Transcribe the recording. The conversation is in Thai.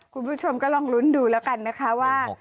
คุณผู้ชมก็ลองลุ้นดูแล้วกันนะคะว่า